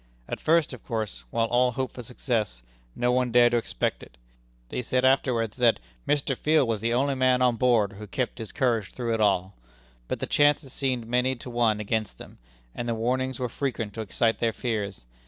At first of course, while all hoped for success, no one dared to expect it. They said afterwards that "Mr. Field was the only man on board who kept up his courage through it all." But the chances seemed many to one against them; and the warnings were frequent to excite their fears.